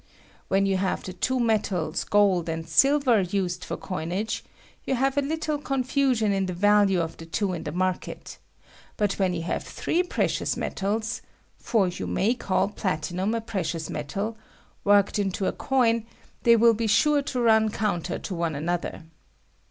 When you have the two metals, gold and silver, used for coinage, you have a little confusion in the value of the two in the market ; but when you have three pre cious metals (for you may call platinnm a pre cious metal) worked into coin, they will be sure to run counter to one another.